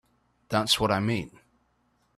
That's what I mean.